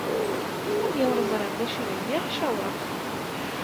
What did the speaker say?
Imi ur ẓriɣ d acu ara geɣ, cawṛeɣ-t.